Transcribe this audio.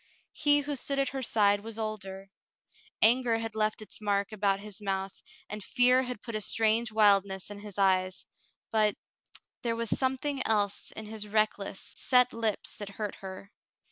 He who stood at her side was older. Anger had left its mark about his mouth, and fear had put a strange wildness in his eyes — but — there was something else in his reckless, set lips that hurt her.